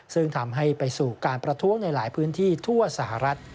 ซึ่งทำให้ไปสู่การประท้วงในหลายพื้นที่ทั่วสหรัฐ